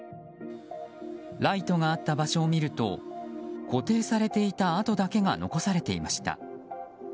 ライトがあった場所を見ると固定されていた跡だけが残されていました。